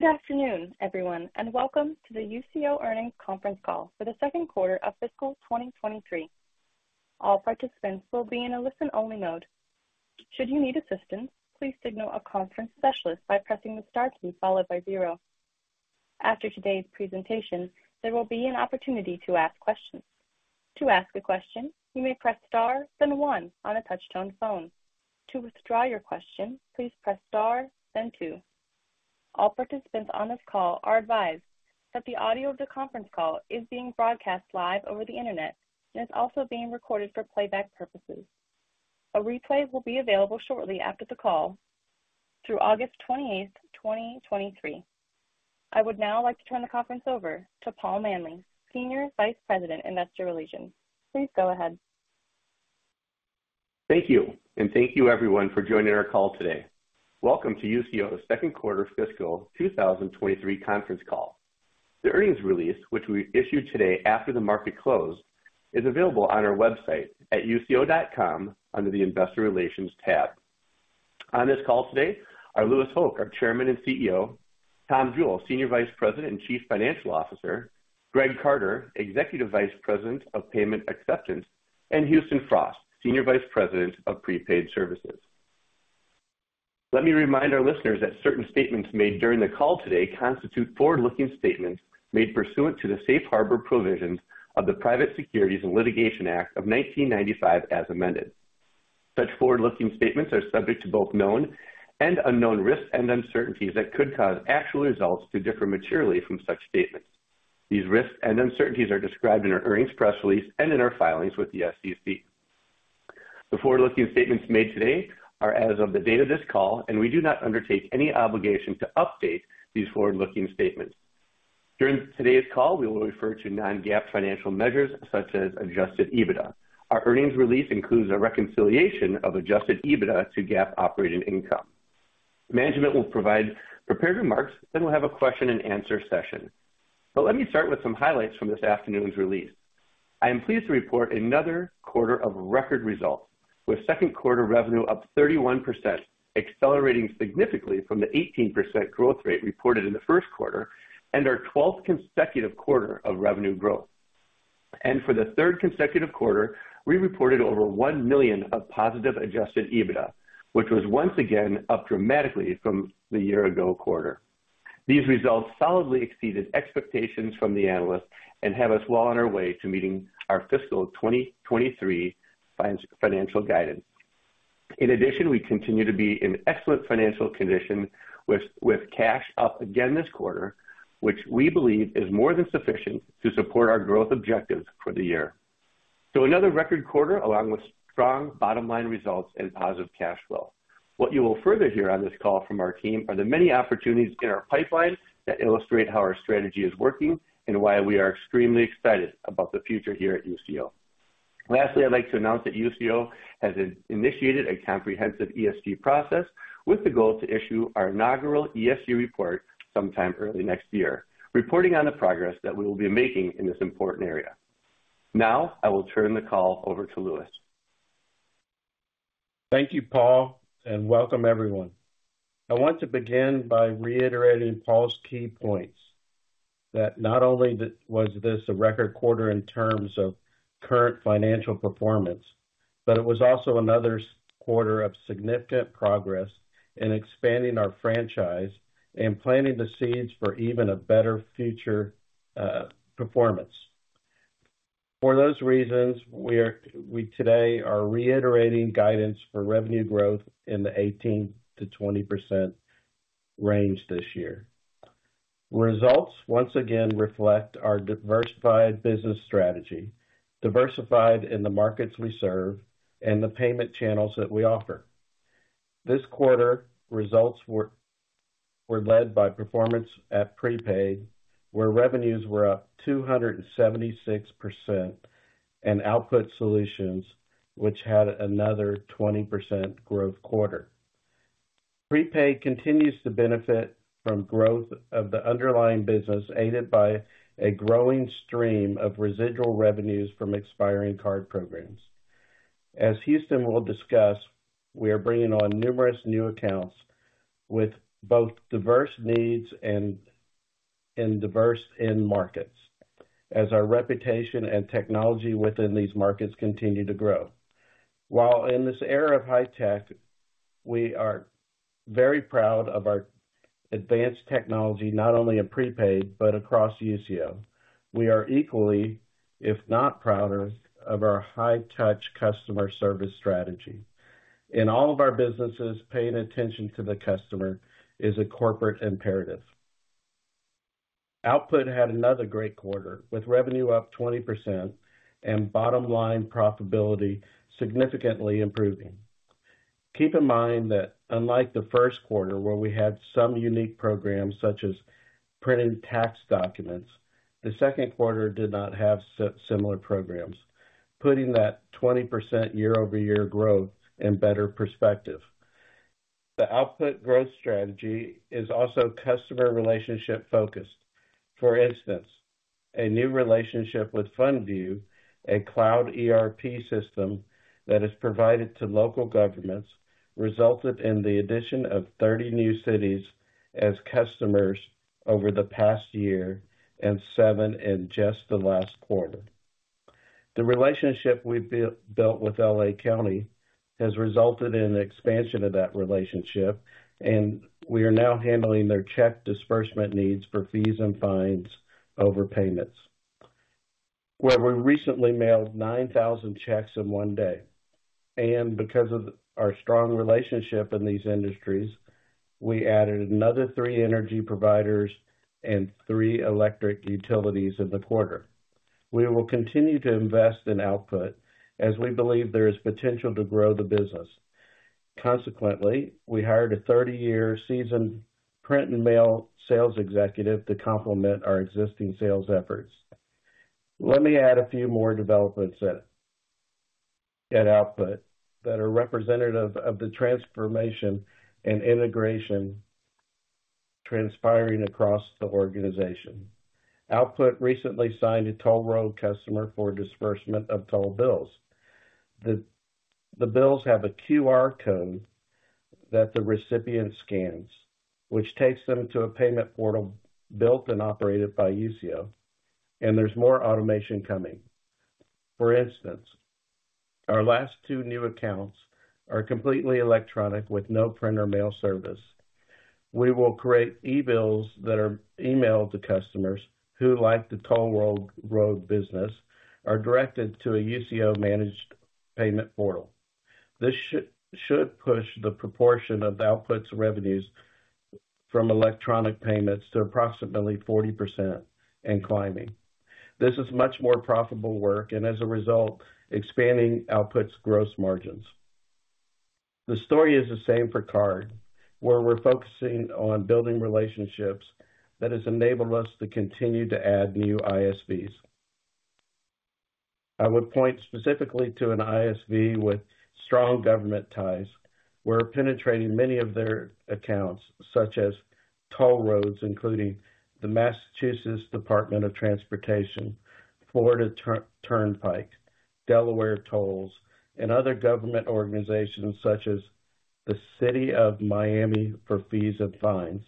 Good afternoon, everyone, and welcome to the Usio Earnings Conference Call for the 2nd quarter of fiscal 2023. All participants will be in a listen-only mode. Should you need assistance, please signal a conference specialist by pressing the star key followed by 0. After today's presentation, there will be an opportunity to ask questions. To ask a question, you may press Star, then 1 on a touch-tone phone. To withdraw your question, please press Star, then 2. All participants on this call are advised that the audio of the conference call is being broadcast live over the Internet and is also being recorded for playback purposes. A replay will be available shortly after the call through August 28th, 2023. I would now like to turn the conference over to Paul Manley, Senior Vice President, Investor Relations. Please go ahead. Thank you. Thank you everyone for joining our call today. Welcome to Usio's second quarter fiscal 2023 conference call. The earnings release, which we issued today after the market closed, is available on our website at usio.com under the Investor Relations tab. On this call today are Louis Hoch, our Chairman and CEO, Tom Jewell, Senior Vice President and Chief Financial Officer, Greg Carter, Executive Vice President of Payment Acceptance, and Houston Frost, Senior Vice President of Prepaid Services. Let me remind our listeners that certain statements made during the call today constitute forward-looking statements made pursuant to the Safe Harbor Provisions of the Private Securities Litigation Reform Act of 1995, as amended. Such forward-looking statements are subject to both known and unknown risks and uncertainties that could cause actual results to differ materially from such statements. These risks and uncertainties are described in our earnings press release and in our filings with the SEC. The forward-looking statements made today are as of the date of this call, we do not undertake any obligation to update these forward-looking statements. During today's call, we will refer to non-GAAP financial measures such as Adjusted EBITDA. Our earnings release includes a reconciliation of Adjusted EBITDA to GAAP operating income. Management will provide prepared remarks, we'll have a question and answer session. Let me start with some highlights from this afternoon's release. I am pleased to report another quarter of record results, with second quarter revenue up 31%, accelerating significantly from the 18% growth rate reported in the first quarter, and our twelfth consecutive quarter of revenue growth. For the third consecutive quarter, we reported over $1 million of positive Adjusted EBITDA, which was once again up dramatically from the year ago quarter. These results solidly exceeded expectations from the analysts and have us well on our way to meeting our fiscal 2023 financial guidance. In addition, we continue to be in excellent financial condition with cash up again this quarter, which we believe is more than sufficient to support our growth objectives for the year. Another record quarter, along with strong bottom line results and positive cash flow. What you will further hear on this call from our team are the many opportunities in our pipeline that illustrate how our strategy is working and why we are extremely excited about the future here at Usio. Lastly, I'd like to announce that Usio has initiated a comprehensive ESG process with the goal to issue our inaugural ESG report sometime early next year, reporting on the progress that we will be making in this important area. Now I will turn the call over to Louis. Thank you, Paul, and welcome everyone. I want to begin by reiterating Paul's key points, that not only was this a record quarter in terms of current financial performance, but it was also another quarter of significant progress in expanding our franchise and planting the seeds for even a better future performance. For those reasons, we today are reiterating guidance for revenue growth in the 18%-20% range this year. Results once again reflect our diversified business strategy, diversified in the markets we serve and the payment channels that we offer. This quarter, results were led by performance at Prepaid, where revenues were up 276%, and Output Solutions, which had another 20% growth quarter. Prepaid continues to benefit from growth of the underlying business, aided by a growing stream of residual revenues from expiring card programs. As Houston will discuss, we are bringing on numerous new accounts with both diverse needs and diverse end markets, as our reputation and technology within these markets continue to grow. While in this era of high tech, we are very proud of our advanced technology, not only in Prepaid, but across Usio. We are equally, if not prouder, of our high touch customer service strategy. In all of our businesses, paying attention to the customer is a corporate imperative. Output had another great quarter, with revenue up 20% and bottom line profitability significantly improving. Keep in mind that unlike the first quarter, where we had some unique programs such as printing tax documents, the second quarter did not have similar programs, putting that 20% year-over-year growth in better perspective. The Output growth strategy is also customer relationship focused. For instance, a new relationship with FundView, a cloud ERP system that is provided to local governments, resulted in the addition of 30 new cities as customers over the past year, and seven in just the last quarter. The relationship we've built with LA County has resulted in an expansion of that relationship, and we are now handling their check disbursement needs for fees and fines over payments, where we recently mailed 9,000 checks in one day. Because of our strong relationship in these industries, we added another three energy providers and three electric utilities in the quarter. We will continue to invest in Output as we believe there is potential to grow the business. Consequently, we hired a 30-year seasoned print and mail sales executive to complement our existing sales efforts. Let me add a few more developments at Output that are representative of the transformation and integration transpiring across the organization. Output recently signed a toll road customer for disbursement of toll bills. The bills have a QR code that the recipient scans, which takes them to a payment portal built and operated by Usio, and there's more automation coming. For instance, our last two new accounts are completely electronic with no print or mail service. We will create e-bills that are emailed to customers who, like the toll road business, are directed to a Usio-managed payment portal. This should push the proportion of Output's revenues from electronic payments to approximately 40% and climbing. This is much more profitable work, and as a result, expanding Output's gross margins. The story is the same for Card, where we're focusing on building relationships that has enabled us to continue to add new ISVs. I would point specifically to an ISV with strong government ties. We're penetrating many of their accounts, such as toll roads, including the Massachusetts Department of Transportation, Florida Turnpike, Delaware Tolls, and other government organizations such as the City of Miami for fees and fines.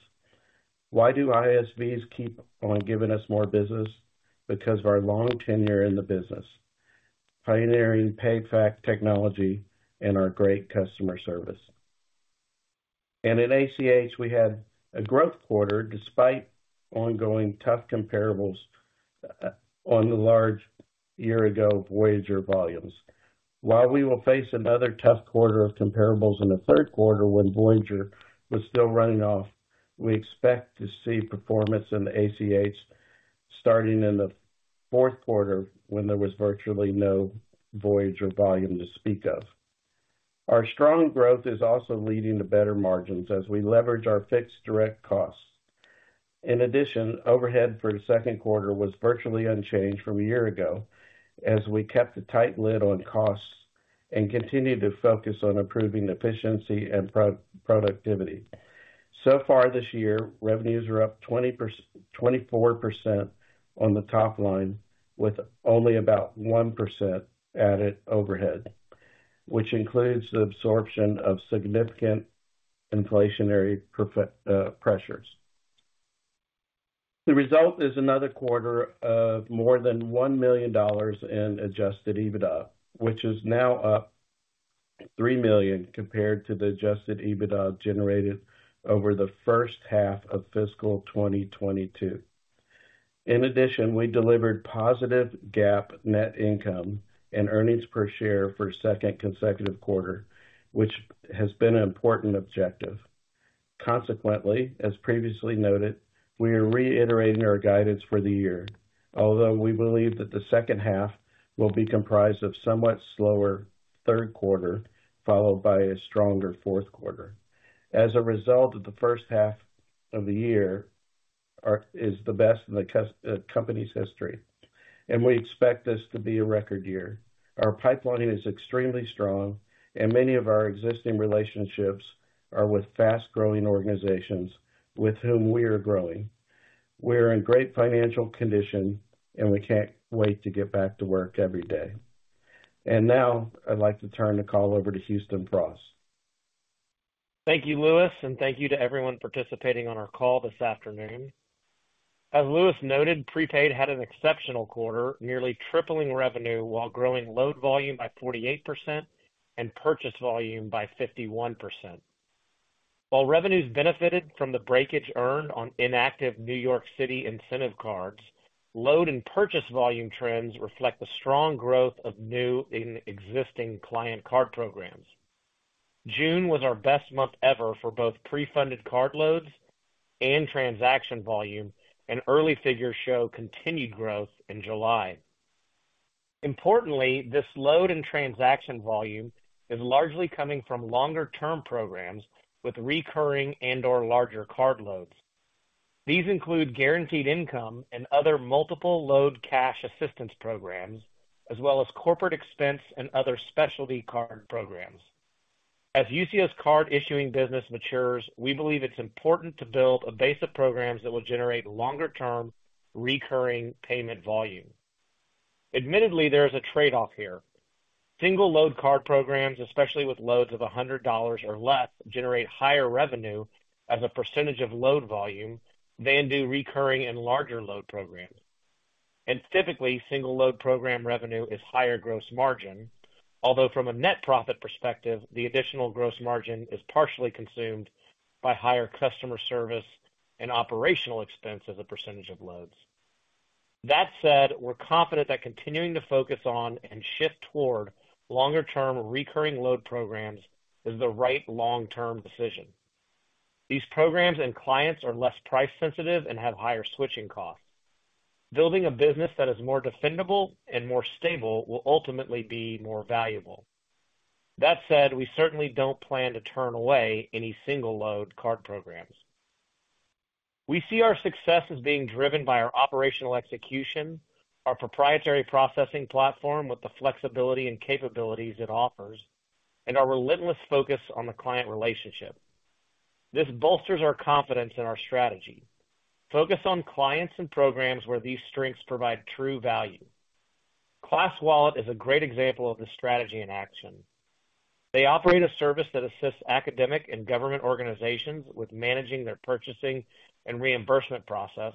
Why do ISVs keep on giving us more business? Because of our long tenure in the business, pioneering PayFac technology and our great customer service. In ACH, we had a growth quarter despite ongoing tough comparables on the large year-ago Voyager volumes. While we will face another tough quarter of comparables in the third quarter when Voyager was still running off, we expect to see performance in the ACH starting in the fourth quarter, when there was virtually no Voyager volume to speak of. Our strong growth is also leading to better margins as we leverage our fixed direct costs. In addition, overhead for the second quarter was virtually unchanged from a year ago, as we kept a tight lid on costs and continued to focus on improving efficiency and productivity. So far this year, revenues are up 24% on the top line, with only about 1% added overhead, which includes the absorption of significant inflationary pressures. The result is another quarter of more than $1 million in Adjusted EBITDA, which is now up $3 million compared to the Adjusted EBITDA generated over the first half of fiscal 2022. In addition, we delivered positive GAAP net income and earnings per share for a second consecutive quarter, which has been an important objective. Consequently, as previously noted, we are reiterating our guidance for the year, although we believe that the second half will be comprised of somewhat slower third quarter, followed by a stronger fourth quarter. As a result of the first half of the year, is the best in the company's history, and we expect this to be a record year. Our pipeline is extremely strong, and many of our existing relationships are with fast-growing organizations with whom we are growing. We're in great financial condition, and we can't wait to get back to work every day. Now I'd like to turn the call over to Houston Frost. Thank you, Louis, and thank you to everyone participating on our call this afternoon. As Louis noted, Prepaid had an exceptional quarter, nearly tripling revenue while growing load volume by 48% and purchase volume by 51%. While revenues benefited from the breakage earned on inactive New York City incentive cards, load and purchase volume trends reflect the strong growth of new and existing client card programs. June was our best month ever for both pre-funded card loads and transaction volume, early figures show continued growth in July. Importantly, this load and transaction volume is largely coming from longer-term programs with recurring and/or larger card loads. These include guaranteed income and other multiple load cash assistance programs, as well as corporate expense and other specialty card programs. As Usio's card issuing business matures, we believe it's important to build a base of programs that will generate longer-term, recurring payment volume. Admittedly, there is a trade-off here. Single-load card programs, especially with loads of $100 or less, generate higher revenue as a percentage of load volume than do recurring and larger load programs. Typically, single-load program revenue is higher gross margin, although from a net profit perspective, the additional gross margin is partially consumed by higher customer service and operational expense as a percentage of loads. That said, we're confident that continuing to focus on and shift toward longer-term recurring load programs is the right long-term decision. These programs and clients are less price sensitive and have higher switching costs. Building a business that is more defendable and more stable will ultimately be more valuable. That said, we certainly don't plan to turn away any single-load card programs. We see our success as being driven by our operational execution, our proprietary processing platform with the flexibility and capabilities it offers, and our relentless focus on the client relationship. This bolsters our confidence in our strategy. Focus on clients and programs where these strengths provide true value. ClassWallet is a great example of this strategy in action. They operate a service that assists academic and government organizations with managing their purchasing and reimbursement process.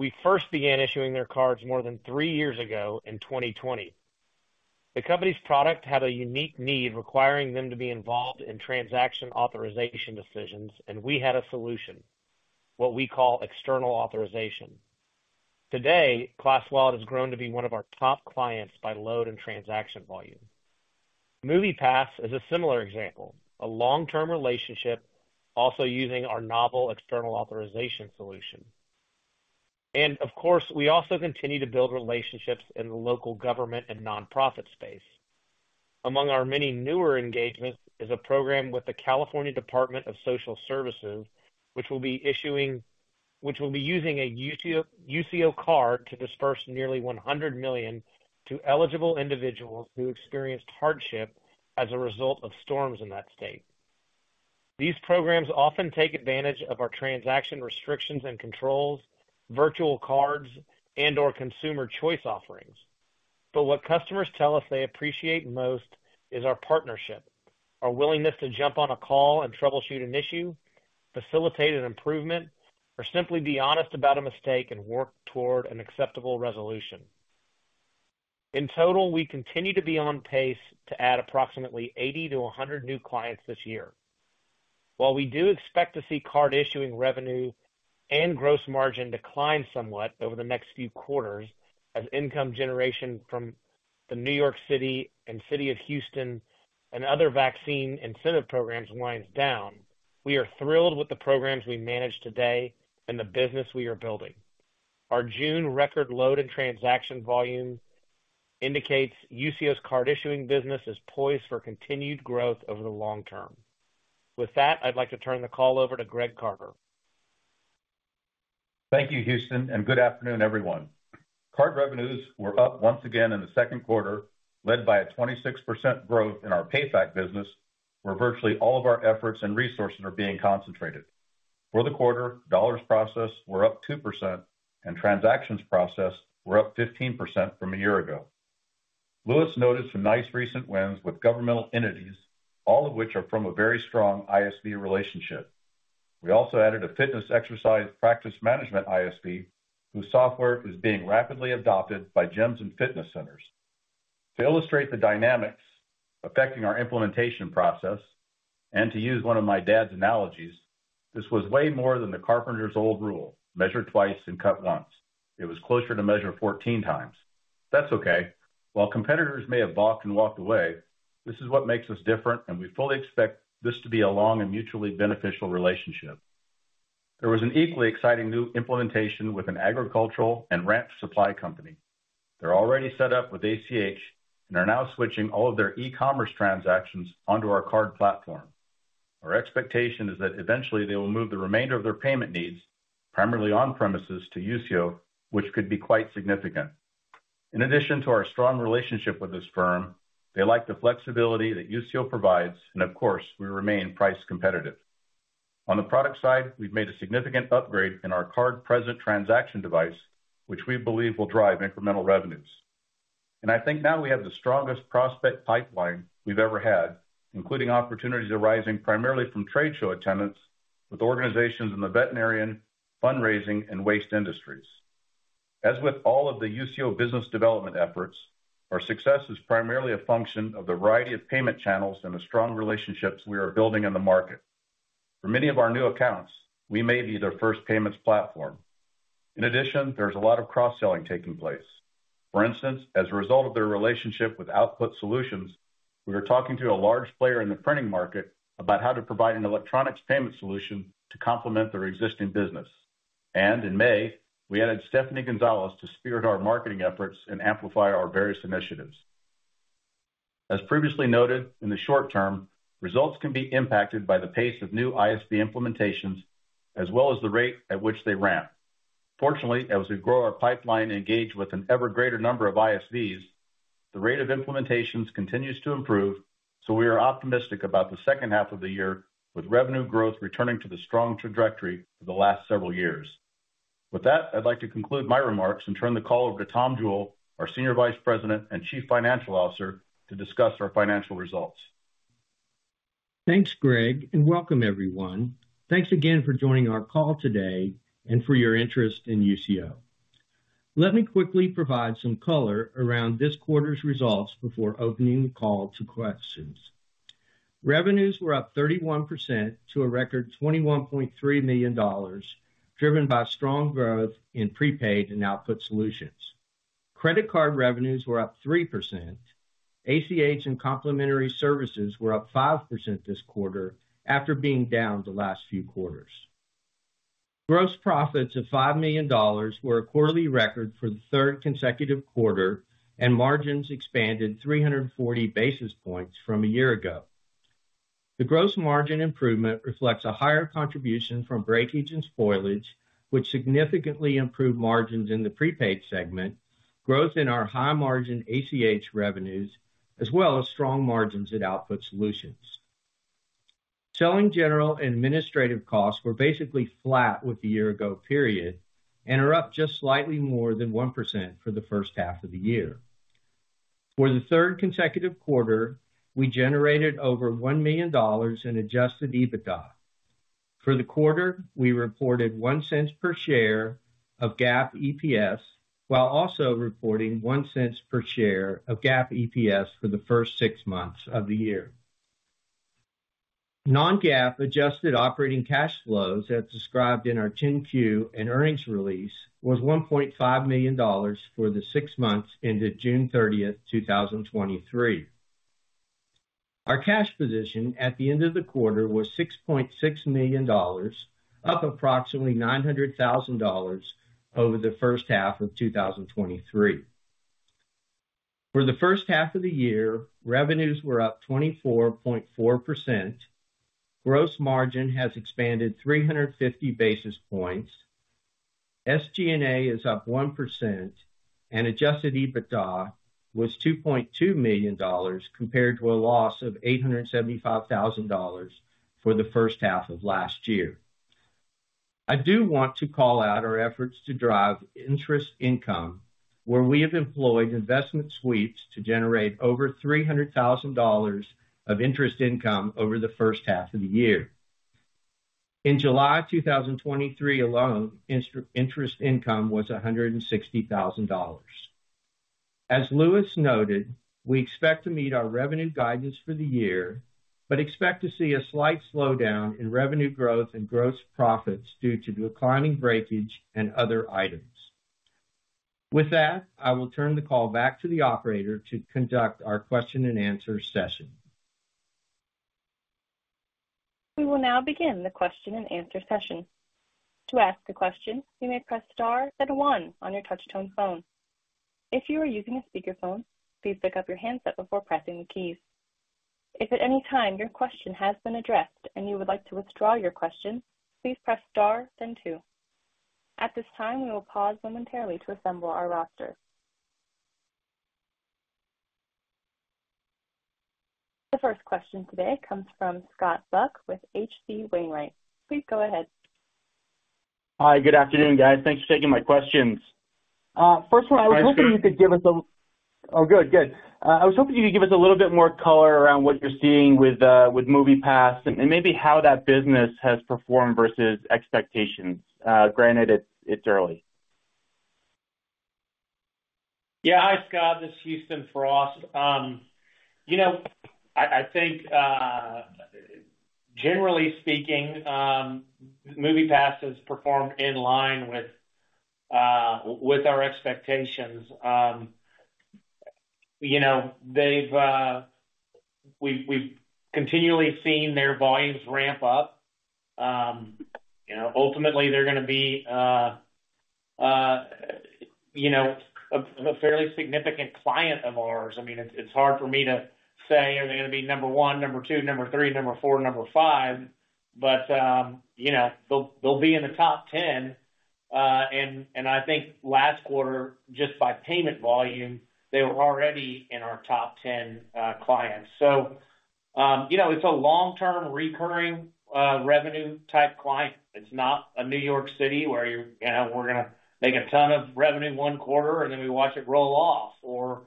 We first began issuing their cards more than 3 years ago in 2020. The company's product had a unique need, requiring them to be involved in transaction authorization decisions, and we had a solution, what we call external authorization. Today, ClassWallet has grown to be one of our top clients by load and transaction volume. MoviePass is a similar example, a long-term relationship also using our novel external authorization solution. And of course, we also continue to build relationships in the local government and nonprofit space. Among our many newer engagements is a program with the California Department of Social Services, which will be issuing, which will be using a Usio card to disburse nearly $100 million to eligible individuals who experienced hardship as a result of storms in that state. These programs often take advantage of our transaction restrictions and controls, virtual cards, and/or Consumer Choice offerings. What customers tell us they appreciate most is our partnership, our willingness to jump on a call and troubleshoot an issue, facilitate an improvement, or simply be honest about a mistake and work toward an acceptable resolution. In total, we continue to be on pace to add approximately 80-100 new clients this year. While we do expect to see card issuing revenue and gross margin decline somewhat over the next few quarters, as income generation from the New York City and City of Houston and other vaccine incentive programs winds down, we are thrilled with the programs we manage today and the business we are building. Our June record load and transaction volume indicates Usio's card issuing business is poised for continued growth over the long term. With that, I'd like to turn the call over to Greg Carter. Thank you, Houston. Good afternoon, everyone. Card revenues were up once again in the second quarter, led by a 26% growth in our PayFac business, where virtually all of our efforts and resources are being concentrated. For the quarter, dollars processed were up 2% and transactions processed were up 15% from a year ago. Louis noted some nice recent wins with governmental entities, all of which are from a very strong ISV relationship. We also added a fitness exercise practice management ISV, whose software is being rapidly adopted by gyms and fitness centers. To illustrate the dynamics affecting our implementation process, and to use one of my dad's analogies, this was way more than the carpenter's old rule, measure twice and cut once. It was closer to measure 14 times. That's okay. While competitors may have balked and walked away, this is what makes us different, and we fully expect this to be a long and mutually beneficial relationship. There was an equally exciting new implementation with an agricultural and ranch supply company. They're already set up with ACH and are now switching all of their e-commerce transactions onto our card platform. Our expectation is that eventually they will move the remainder of their payment needs, primarily on-premises to Usio, which could be quite significant. In addition to our strong relationship with this firm, they like the flexibility that Usio provides, and of course, we remain price competitive. On the product side, we've made a significant upgrade in our card-present transaction device, which we believe will drive incremental revenues. I think now we have the strongest prospect pipeline we've ever had, including opportunities arising primarily from trade show attendance with organizations in the veterinarian, fundraising, and waste industries. As with all of the Usio business development efforts, our success is primarily a function of the variety of payment channels and the strong relationships we are building in the market. For many of our new accounts, we may be their first payments platform. In addition, there's a lot of cross-selling taking place. For instance, as a result of their relationship with Output Solutions, we are talking to a large player in the printing market about how to provide an electronics payment solution to complement their existing business. In May, we added Stephanie González to spearhead our marketing efforts and amplify our various initiatives. As previously noted, in the short term, results can be impacted by the pace of new ISV implementations as well as the rate at which they ramp.... fortunately, as we grow our pipeline and engage with an ever greater number of ISVs, the rate of implementations continues to improve. We are optimistic about the second half of the year, with revenue growth returning to the strong trajectory for the last several years. With that, I'd like to conclude my remarks and turn the call over to Tom Jewell, our Senior Vice President and Chief Financial Officer, to discuss our financial results. Thanks, Greg. Welcome everyone. Thanks again for joining our call today and for your interest in Usio. Let me quickly provide some color around this quarter's results before opening the call to questions. Revenues were up 31% to a record $21.3 million, driven by strong growth in Prepaid and Output Solutions. Credit card revenues were up 3%, ACH and complementary services were up 5% this quarter after being down the last few quarters. Gross profits of $5 million were a quarterly record for the third consecutive quarter, and margins expanded 340 basis points from a year ago. The gross margin improvement reflects a higher contribution from breakage and spoilage, which significantly improved margins in the Prepaid segment, growth in our high-margin ACH revenues, as well as strong margins at Output Solutions. Selling general and administrative costs were basically flat with the year-ago period and are up just slightly more than 1% for the first half of the year. For the third consecutive quarter, we generated over $1 million in Adjusted EBITDA. For the quarter, we reported $0.01 per share of GAAP EPS, while also reporting $0.01 per share of GAAP EPS for the first six months of the year. Non-GAAP adjusted operating cash flows, as described in our 10-Q and earnings release, was $1.5 million for the six months ended June 30, 2023. Our cash position at the end of the quarter was $6.6 million, up approximately $900,000 over the first half of 2023. For the first half of the year, revenues were up 24.4%. Gross margin has expanded 350 basis points. SG&A is up 1%, adjusted EBITDA was $2.2 million, compared to a loss of $875,000 for the first half of last year. I do want to call out our efforts to drive interest income, where we have employed investment sweeps to generate over $300,000 of interest income over the first half of the year. In July 2023 alone, interest income was $160,000. As Louis noted, we expect to meet our revenue guidance for the year, but expect to see a slight slowdown in revenue growth and gross profits due to declining breakage and other items. With that, I will turn the call back to the operator to conduct our question and answer session. We will now begin the question and answer session. To ask a question, you may press star then one on your touch tone phone. If you are using a speakerphone, please pick up your handset before pressing the keys. If at any time your question has been addressed and you would like to withdraw your question, please press star then two. At this time, we will pause momentarily to assemble our roster. The first question today comes from Scott Buck with H.C. Wainwright. Please go ahead. Hi, good afternoon, guys. Thanks for taking my questions. First one, I was hoping you could give us Oh, good, good. I was hoping you could give us a little bit more color around what you're seeing with, with MoviePass and, and maybe how that business has performed versus expectations. Granted, it's, it's early. Yeah. Hi, Scott, this is Houston Frost. you know, I, I think, generally speaking, MoviePass has performed in line with, with our expectations. you know, they've... We, we've continually seen their volumes ramp up. you know, ultimately, they're gonna be, you know, a, a fairly significant client of ours. I mean, it's, it's hard for me to say, are they gonna be number one, number two, number three, number four, number five? you know, they'll, they'll be in the top 10. I think last quarter, just by payment volume, they were already in our top 10 clients. you know, it's a long-term, recurring, revenue-type client. It's not a New York City, where you're, you know, we're gonna make a ton of revenue one quarter. Then we watch it roll off or,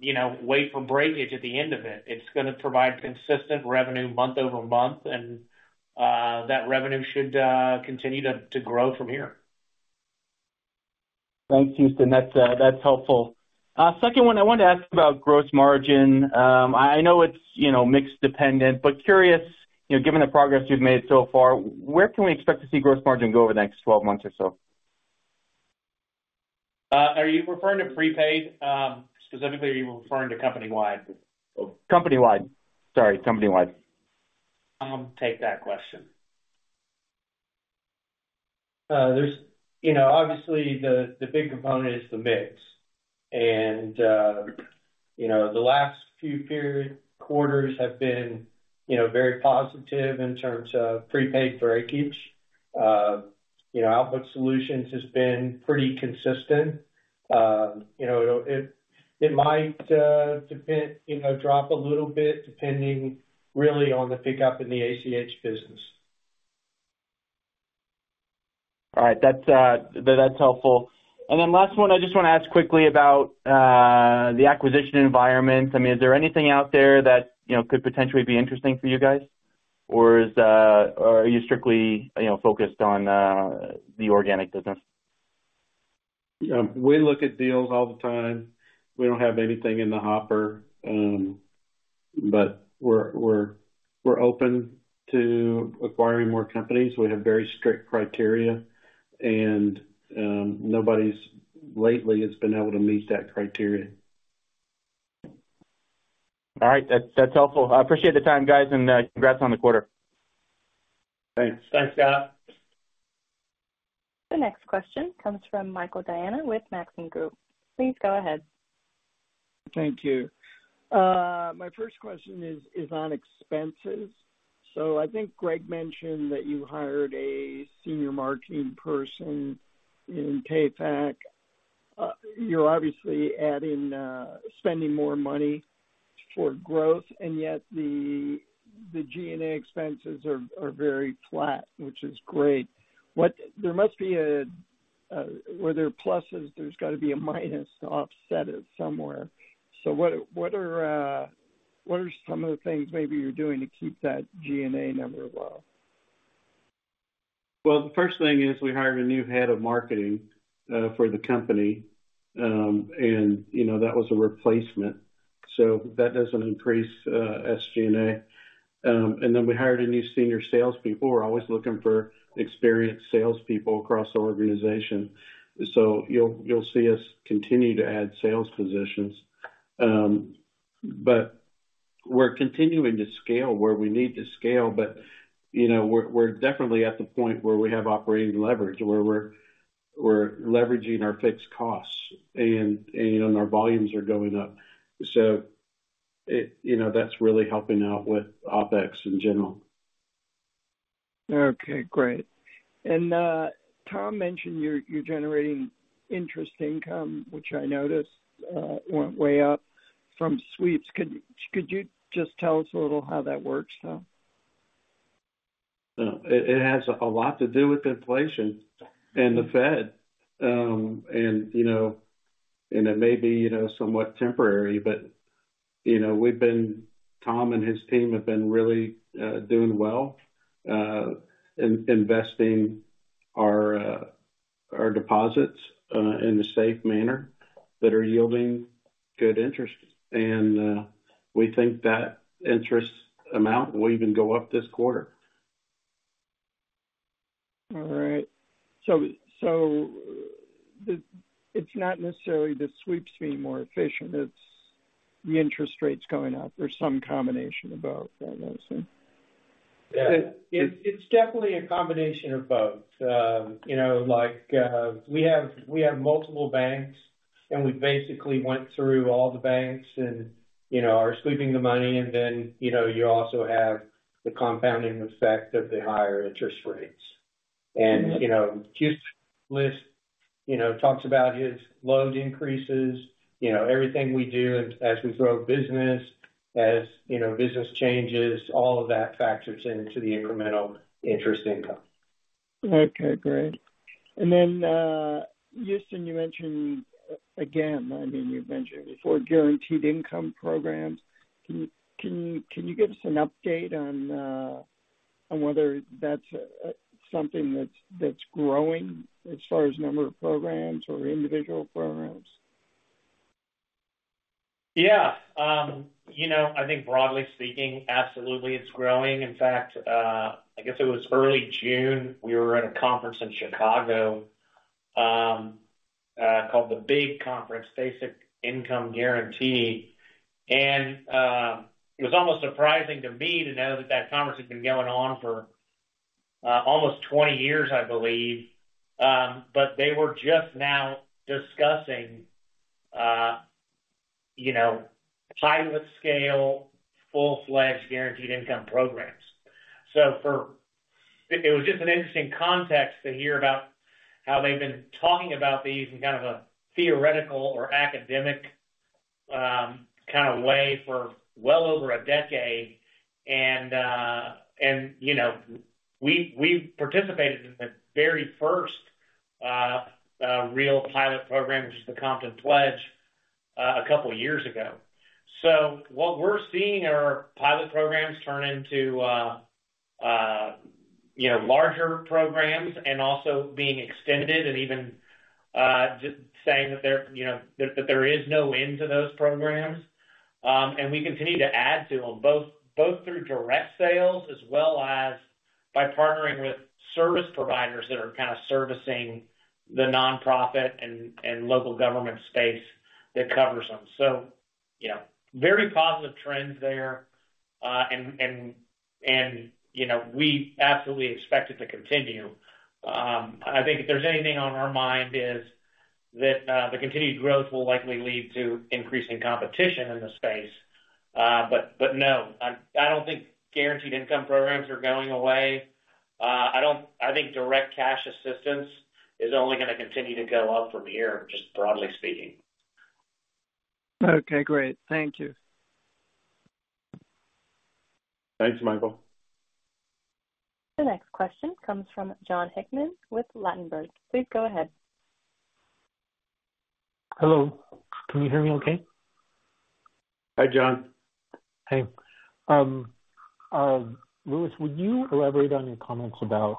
you know, wait for breakage at the end of it. It's gonna provide consistent revenue month-over-month. That revenue should continue to grow from here. Thanks, Houston. That's that's helpful. Second one, I wanted to ask about gross margin. I, I know it's, you know, mix dependent, but curious, you know, given the progress you've made so far, where can we expect to see gross margin go over the next 12 months or so? Are you referring to prepaid, specifically, or are you referring to company-wide? Company-wide. Sorry, company-wide. I'll take that question. There's, you know, obviously, the, the big component is the mix. You know, the last few period quarters have been, you know, very positive in terms of prepaid breakage. You know, Output Solutions has been pretty consistent. You know, it, it might depend, you know, drop a little bit, depending really on the pickup in the ACH business. All right. That's, that's helpful. Last one, I just want to ask quickly about the acquisition environment. I mean, is there anything out there that, you know, could potentially be interesting for you guys? Or is, are you strictly, you know, focused on the organic business? Yeah, we look at deals all the time. We don't have anything in the hopper, we're, we're, we're open to acquiring more companies. We have very strict criteria, nobody's lately has been able to meet that criteria. All right. That's helpful. I appreciate the time, guys, and congrats on the quarter. Thanks. Thanks, Scott. The next question comes from Michael Diana with Maxim Group. Please go ahead. Thank you. My first question is, is on expenses. I think Greg mentioned that you hired a senior marketing person in PayFac. You're obviously adding, spending more money for growth, and yet the, the G&A expenses are, are very flat, which is great. What there must be a, where there are pluses, there's got to be a minus to offset it somewhere. What, what are, what are some of the things maybe you're doing to keep that G&A number low? Well, the first thing is we hired a new head of marketing for the company. You know, that was a replacement, so that doesn't increase SG&A. Then we hired a new senior salespeople. We're always looking for experienced salespeople across our organization. You'll, you'll see us continue to add sales positions. We're continuing to scale where we need to scale, but, you know, we're, we're definitely at the point where we have operating leverage, where we're, we're leveraging our fixed costs and our volumes are going up. It, you know, that's really helping out with OpEx in general. Okay, great. Tom mentioned you're, you're generating interest income, which I noticed went way up from sweeps. Could you just tell us a little how that works though? It has a lot to do with inflation and the Fed. You know, and it may be, you know, somewhat temporary, but, you know, we've been... Tom and his team have been really doing well in investing our deposits in a safe manner that are yielding good interest. We think that interest amount will even go up this quarter. All right. It's not necessarily the sweeps being more efficient, it's the interest rates going up, or some combination of both, I assume? Yeah, it's, it's definitely a combination of both. You know, like, we have, we have multiple banks. We basically went through all the banks and, you know, are sweeping the money. Then, you know, you also have the compounding effect of the higher interest rates. You know, just Louis, you know, talks about his load increases, you know, everything we do as, as we grow business, as, you know, business changes, all of that factors into the incremental interest income. Okay, great. Then, Houston, you mentioned, again, I mean, you've mentioned before, guaranteed income programs. Can you, can you, can you give us an update on whether that's growing as far as number of programs or individual programs? Yeah. You know, I think broadly speaking, absolutely, it's growing. In fact, I guess it was early June, we were at a conference in Chicago, called the BIG Conference, Basic Income Guarantee, and it was almost surprising to me to know that that conference had been going on for almost 20 years, I believe. They were just now discussing, you know, pilot-scale, full-fledged guaranteed income programs. For... it was just an interesting context to hear about how they've been talking about these in kind of a theoretical or academic, kind of way for well over a decade. You know, we, we participated in the very first, real pilot program, which is the Compton Pledge, a couple years ago. What we're seeing are pilot programs turn into, you know, larger programs and also being extended and even, just saying that there, you know, that there is no end to those programs. We continue to add to them, both, both through direct sales as well as by partnering with service providers that are kind of servicing the nonprofit and, and local government space that covers them.... you know, very positive trends there, and, and, and, you know, we absolutely expect it to continue. I think if there's anything on our mind is that the continued growth will likely lead to increasing competition in the space. but no, I, I don't think guaranteed income programs are going away. I don-- I think direct cash assistance is only gonna continue to go up from here, just broadly speaking. Okay, great. Thank you. Thanks, Michael. The next question comes from John Hickman with Ladenburg. Please go ahead. Hello. Can you hear me okay? Hi, John. Hey. Louis, would you elaborate on your comments about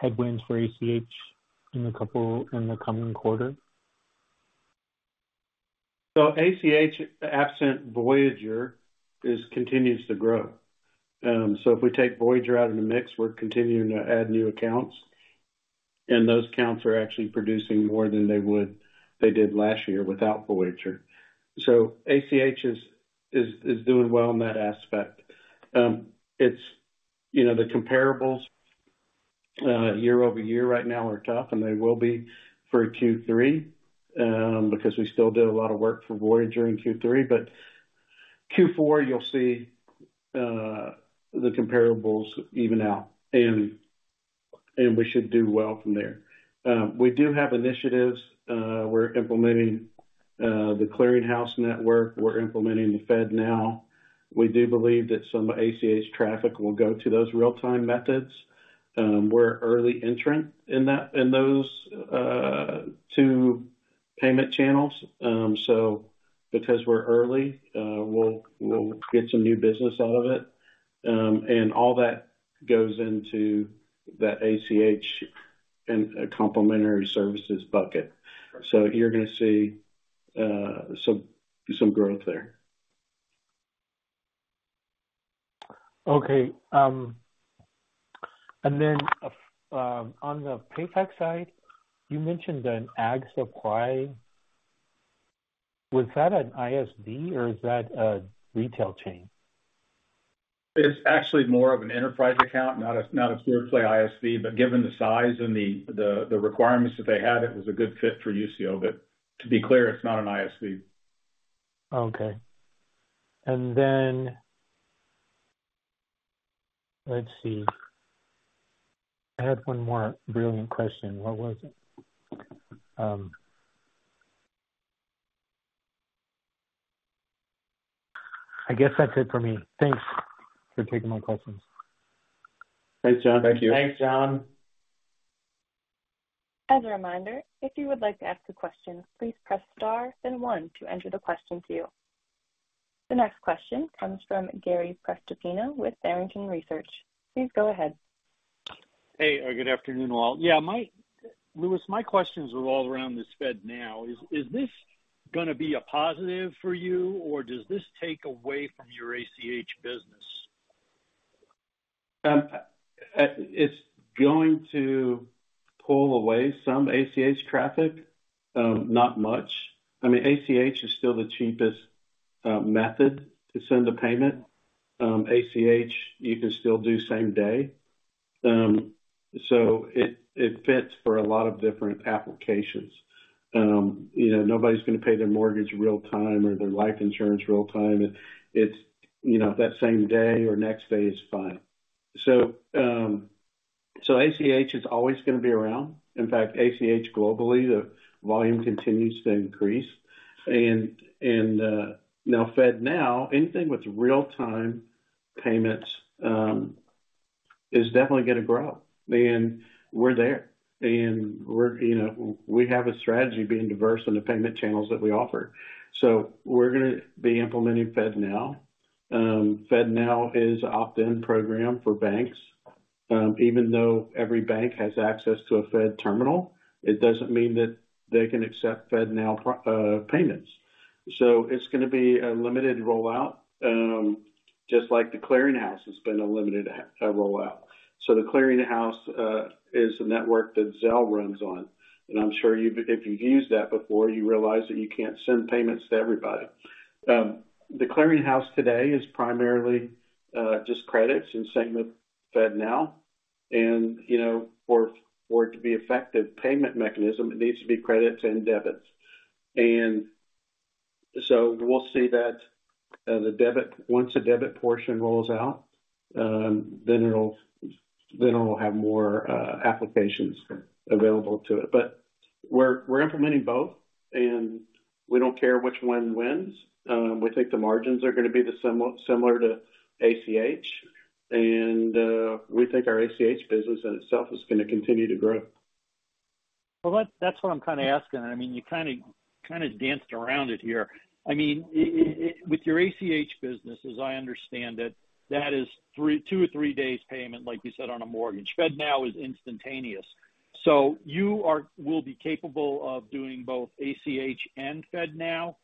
headwinds for ACH in the coming quarter? ACH, absent Voyager, is continues to grow. If we take Voyager out of the mix, we're continuing to add new accounts, and those accounts are actually producing more than they would they did last year without Voyager. ACH is, is, is doing well in that aspect. It's You know, the comparables, year-over-year right now are tough, and they will be for Q3, because we still did a lot of work for Voyager in Q3. Q4, you'll see, the comparables even out, and, and we should do well from there. We do have initiatives. We're implementing The Clearing House network. We're implementing the FedNow. We do believe that some ACH traffic will go to those real-time methods. We're early entrant in that in those two payment channels. Because we're early, we'll, we'll get some new business out of it. All that goes into that ACH and a complimentary services bucket. You're gonna see, some, some growth there. Okay. On the PayTech side, you mentioned an ag supply. Was that an ISV or is that a retail chain? It's actually more of an enterprise account, not a pure play ISV, given the size and the requirements that they had, it was a good fit for Usio. To be clear, it's not an ISV. Okay. Then... Let's see. I had one more brilliant question. What was it? I guess that's it for me. Thanks for taking my questions. Thanks, John. Thank you. Thanks, John. As a reminder, if you would like to ask a question, please press star then one to enter the question queue. The next question comes from Gary Prestipino with Barrington Research. Please go ahead. Hey, good afternoon, all. Yeah, Louis, my questions were all around this FedNow. Is this gonna be a positive for you, or does this take away from your ACH business? It's going to pull away some ACH traffic, not much. I mean, ACH is still the cheapest method to send a payment. ACH, you can still do same day. It fits for a lot of different applications. You know, nobody's gonna pay their mortgage real time or their life insurance real time. It's, you know, that same day or next day is fine. ACH is always gonna be around. In fact, ACH globally, the volume continues to increase. Now, FedNow, anything with real-time payments is definitely gonna grow, and we're there. We're, you know, we have a strategy being diverse in the payment channels that we offer. We're gonna be implementing FedNow. FedNow is an opt-in program for banks. Even though every bank has access to a Fed terminal, it doesn't mean that they can accept FedNow payments. It's gonna be a limited rollout, just like The Clearing House has been a limited rollout. The Clearing House is a network that Zelle runs on, and I'm sure if you've used that before, you realize that you can't send payments to everybody. The Clearing House today is primarily just credits and same with FedNow, and, you know, for, for it to be effective payment mechanism, it needs to be credits and debits. We'll see that once the debit portion rolls out, then it'll, then it will have more applications available to it. We're, we're implementing both, and we don't care which one wins. We think the margins are gonna be the similar, similar to ACH. We think our ACH business in itself is gonna continue to grow. Well, that, that's what I'm kinda asking. I mean, you kinda, kinda danced around it here. I mean, with your ACH business, as I understand it, that is two or three days payment, like you said, on a mortgage. FedNow is instantaneous. you will be capable of doing both ACH and FedNow,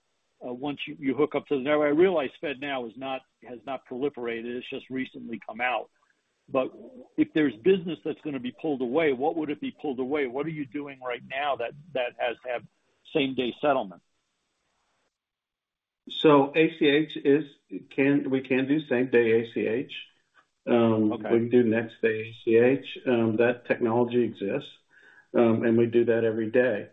once you, you hook up to the... Now, I realize FedNow is not, has not proliferated. It's just recently come out. If there's business that's gonna be pulled away, what would it be pulled away? What are you doing right now that has to have same-day settlement? ACH is, we can do Same Day ACH. Okay. We can do next-day ACH. That technology exists, we do that every day.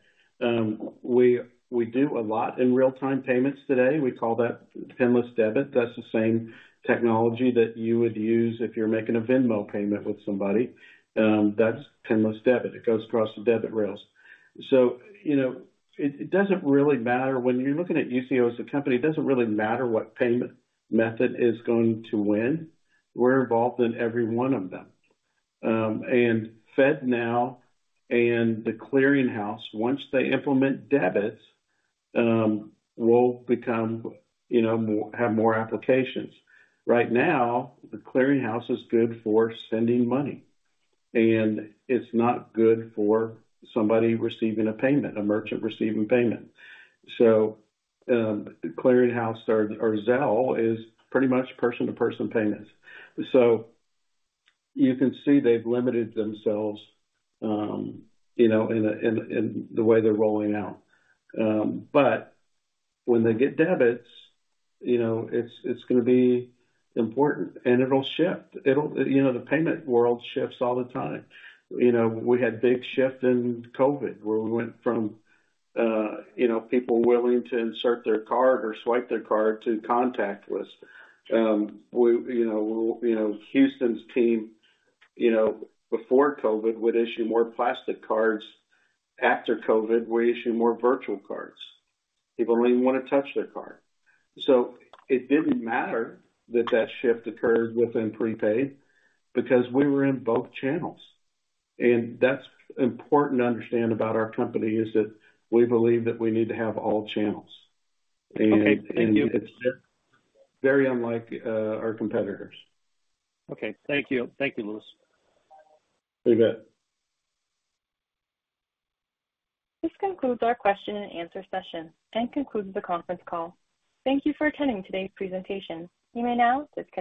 We do a lot in real-time payments today. We call that PINless debit. That's the same technology that you would use if you're making a Venmo payment with somebody. That's PINless debit. It goes across the debit rails. You know, it doesn't really matter. When you're looking at Usio as a company, it doesn't really matter what payment method is going to win. We're involved in every one of them. FedNow and The Clearing House, once they implement debits, we'll become, you know, have more applications. Right now, The Clearing House is good for sending money, and it's not good for somebody receiving a payment, a merchant receiving payment. Clearing House or Zelle is pretty much person-to-person payments. You can see they've limited themselves, you know, in a, in, in the way they're rolling out. When they get debits, you know, it's, it's gonna be important, and it'll shift. You know, the payment world shifts all the time. You know, we had big shift in COVID, where we went from, you know, people willing to insert their card or swipe their card to contactless. We, you know, you know, Houston's team, you know, before COVID, would issue more plastic cards. After COVID, we issue more virtual cards. People don't even want to touch their card. It didn't matter that that shift occurred within prepaid because we were in both channels. That's important to understand about our company, is that we believe that we need to have all channels. Okay, thank you. It's very unlike, our competitors. Okay. Thank you. Thank you, Louis. You bet. This concludes our question and answer session and concludes the conference call. Thank you for attending today's presentation. You may now disconnect.